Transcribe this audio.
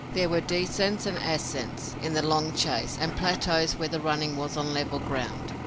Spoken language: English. There were descents and ascents in the long chase and plateaus where the running was on level ground.